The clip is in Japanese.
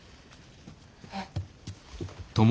えっ。